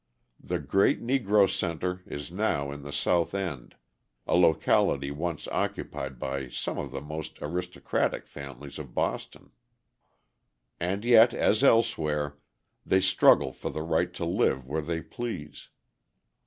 The great Negro centre is now in the South End, a locality once occupied by some of the most aristocratic families of Boston. And yet, as elsewhere, they struggle for the right to live where they please.